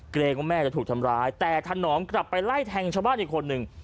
เกรงว่าแม่จะถูกทำร้ายแต่ถนอมกลับไปไล่แทงชาวบ้านอีกคนนึง